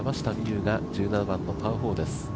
有が１７番のパー４です。